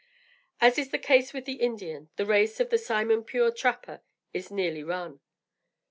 As is the case with the Indian, the race of the "Simon Pure Trapper" is nearly run.